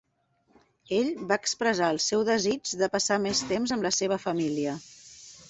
Ell va expressar el seu desig de passar més temps amb la seva família.